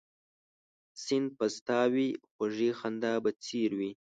سیند به ستا یوې خوږې خندا په څېر وي